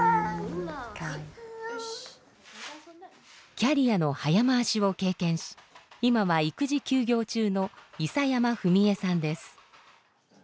キャリアの早回しを経験し今は育児休業中の諌山史衣さんです。